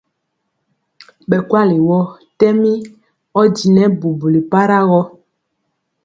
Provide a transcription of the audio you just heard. Bɛ kuali wɔɔ tɛmi ɔdinɛ bubuli para gɔ.